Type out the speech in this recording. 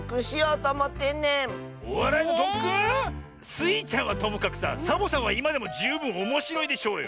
スイちゃんはともかくさサボさんはいまでもじゅうぶんおもしろいでしょうよ！